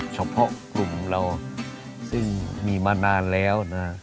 เฉพาะกลุ่มของเราซึ่งมีมานานแล้วนะ